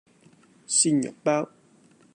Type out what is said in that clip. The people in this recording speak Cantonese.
鮮肉包